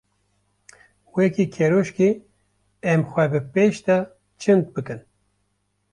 Weke keroşkê em xwe bi pêş de çind bikin.